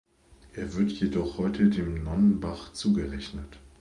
Er wird jedoch heute dem Nonnenbach zugerechnet.